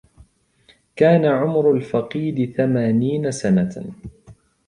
كان عمر الفقيد ثمانين سنة.